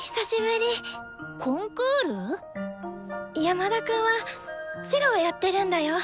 山田くんはチェロやってるんだよ。